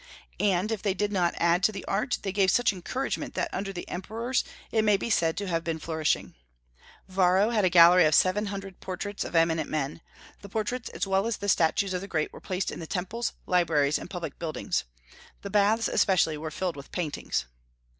And if they did not add to the art, they gave such encouragement that under the emperors it may be said to have been flourishing. Varro had a gallery of seven hundred portraits of eminent men. The portraits as well as the statues of the great were placed in the temples, libraries, and public buildings. The baths especially were filled with paintings.